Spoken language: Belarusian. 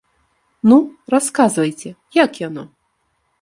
Ну, расказвайце, як яно.